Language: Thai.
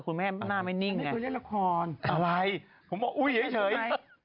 คุณแม่หน้าไม่นิ่งไงอะไรผมเอาอุ๊ยเฉย